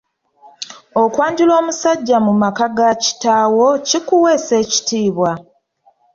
Okwanjula omusajja mu maka ga kitaawo, kikuweesa ekitiibwa.